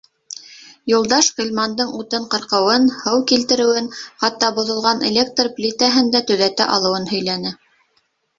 Юлдаш Ғилмандың утын ҡырҡыуын, һыу килтереүен, хатта боҙолған электр плитәһен дә төҙәтә алыуын һөйләне.